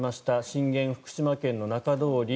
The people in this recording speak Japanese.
震源は福島県の中通り。